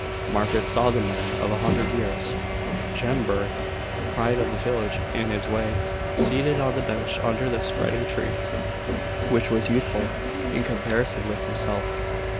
Margaret saw the man of a hundred years, Jem Bird, the pride of the village in his way, seated on the bench under the spreading tree, which was youthful in comparison with himself.